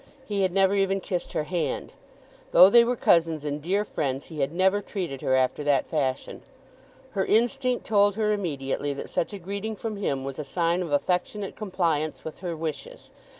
He had never even kissed her hand. Though they were cousins and dear friends, he had never treated her after that fashion. Her instinct told her immediately that such a greeting from him was a sign of affectionate compliance with her wishes.